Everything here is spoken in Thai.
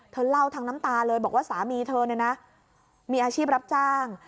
เธอเล่าทั้งน้ำตาเลยบอกว่าสามีเธอเนี่ยนะมีอาชีพรับจ้าง